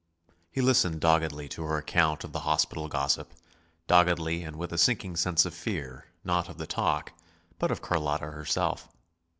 He listened doggedly to her account of the hospital gossip, doggedly and with a sinking sense of fear, not of the talk, but of Carlotta herself.